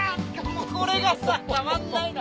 もうこれがさたまんないの！